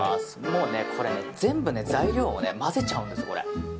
もうね、これ全部材料を混ぜちゃうんです。